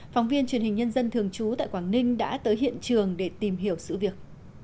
phóng viên truyền hình nhân dân thường trú tại quảng ninh đã tới hiện trường để tìm hiểu sự việc